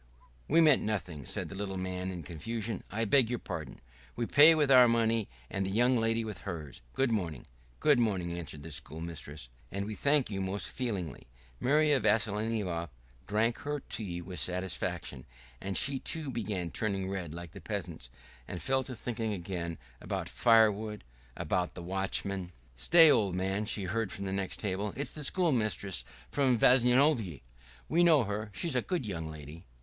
"We meant nothing..." said the little man in confusion. "I beg your pardon. We pay with our money and the young lady with hers. Good morning!" "Good morning," answered the schoolmistress. "And we thank you most feelingly." Marya Vassilyevna drank her tea with satisfaction, and she, too, began turning red like the peasants, and fell to thinking again about firewood, about the watchman.... "Stay, old man," she heard from the next table, "it's the schoolmistress from Vyazovye.... We know her; she's a good young lady."